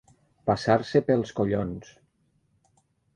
Passar-se pels collons.